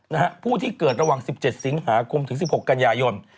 นะฮะผู้ที่เกิดระหว่าง๑๗สิงหาคมถึงสิบหกกันยายน